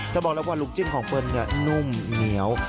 บอกแล้วว่าลูกจิ้นของเปิ้ลนุ่มเหนียว